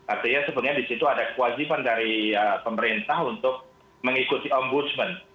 artinya sebenarnya di situ ada kewajiban dari pemerintah untuk mengikuti ombudsman